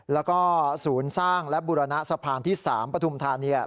แล้วก็ศูนย์สร้างและบุรณะสะพานที่๓ปฐุมธานี